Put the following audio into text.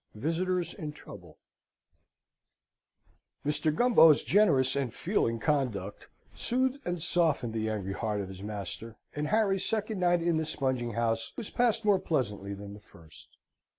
Visitors in Trouble Mr. Gumbo's generous and feeling conduct soothed and softened the angry heart of his master, and Harry's second night in the spunging house was passed more pleasantly than the first.